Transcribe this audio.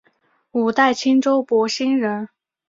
五代青州博兴人。